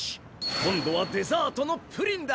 今度はデザートのプリンだ！